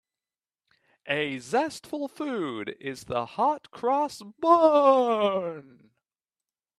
A zestful food is the hot-cross bun.